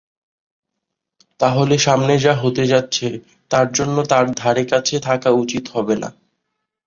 তাহলে সামনে যা হতে যাচ্ছে তার জন্য তার ধারেকাছে থাকা উচিত হবে না।